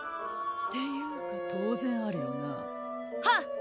っていうか当然あるよなはっ！